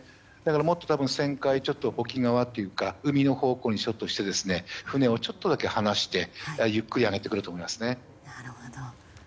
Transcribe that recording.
もっと旋回を沖側というか海のほうにして船をちょっとだけ離してゆっくり上げてくると思います。